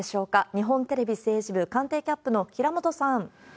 日本テレビ政治部官邸キャップの平本さん。